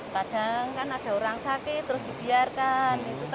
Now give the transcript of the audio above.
kadang kan ada orang sakit terus dibiarkan